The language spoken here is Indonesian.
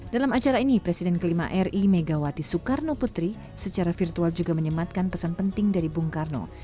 dalam acara ini presiden kelima ri megawati soekarno putri secara virtual juga menyematkan pesan penting dari bung karno